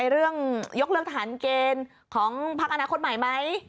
เรื่องยกเลือกทหารเกณฑ์ของพักอนาคตใหม่ไหม